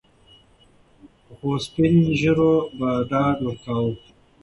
پخوسپین ږیرو به ډاډ ورکاوه.